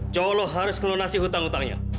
jawa lo harus kena nasih hutang hutangnya